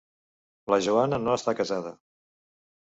La Joana no està casada.